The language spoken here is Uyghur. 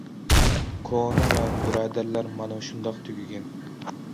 كونا يار- بۇرادەرلەر مانا شۇنداق تۈگىگەن.